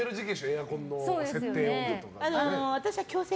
エアコンの設定とか。